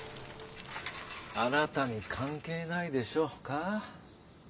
「あなたに関係ないでしょ」か。